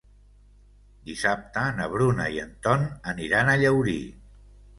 Dissabte na Bruna i en Ton aniran a Llaurí.